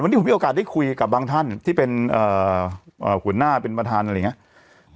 วันนี้ผมมีโอกาสได้คุยกับบางท่านที่เป็นหัวหน้าเป็นประธานอะไรอย่างนี้